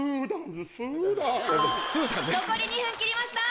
残り２分切りました。